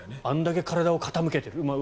あれだけ体を傾けている。